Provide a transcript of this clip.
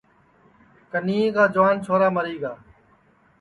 کنیئے کا جُوان چھورا مری گا